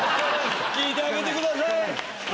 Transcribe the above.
聞いてあげてください！